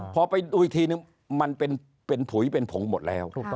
พอไปดูอีกทีนึงมันเป็นผุยเป็นผงหมดแล้ว